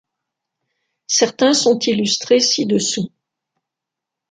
Certains sont illustrés ci-dessous.